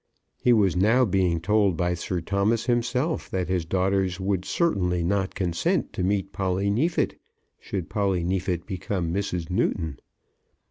He was now being told by Sir Thomas himself that his daughters would certainly not consent to meet Polly Neefit, should Polly Neefit become Mrs. Newton.